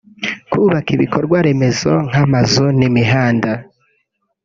kubaka ibikorwa remezo nk’amazu n’imihanda